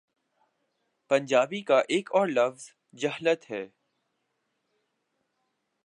پنجابی کا ایک اور لفظ ہے، ' جھلت‘۔